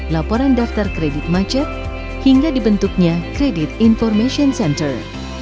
laporan daftar kredit macet hingga dibentuknya kredit information center